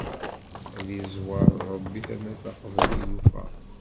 Ad izwer Ṛebbi tanafa qbel tilufa!